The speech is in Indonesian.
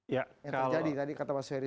yang terjadi tadi kata mas ferry